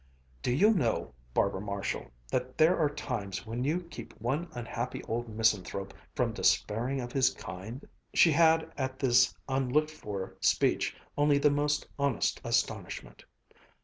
"Do you know, Barbara Marshall, that there are times when you keep one unhappy old misanthrope from despairing of his kind?" She had at this unlooked for speech only the most honest astonishment.